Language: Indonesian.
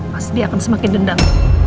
pasti akan semakin dendam